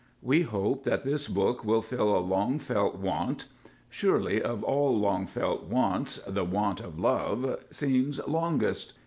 _ _We hope that this book will fill a long felt want. Surely of all long felt wants the want of love seems longest.